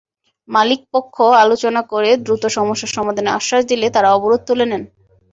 মালিকপক্ষ আলোচনা করে দ্রুত সমস্যা সমাধানের আশ্বাস দিলে তাঁরা অবরোধ তুলে নেন।